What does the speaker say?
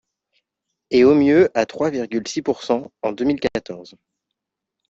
et au mieux à trois virgule six pourcent en deux mille quatorze.